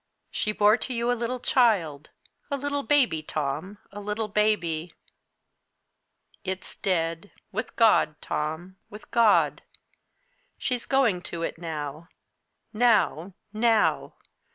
She bore to you a little child a little baby, Tom, a little baby! It's dead with God, Tom, with God! She's going to it now now, now!